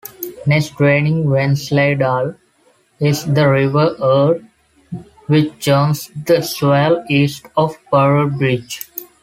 Next, draining Wensleydale, is the River Ure, which joins the Swale east of Boroughbridge.